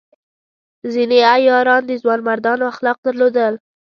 ځینې عیاران د ځوانمردانو اخلاق درلودل.